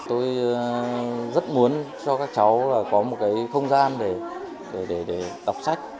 tôi rất muốn cho các cháu là có một cái không gian để đọc sách